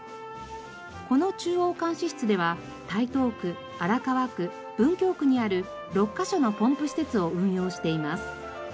この中央監視室では台東区荒川区文京区にある６カ所のポンプ施設を運用しています。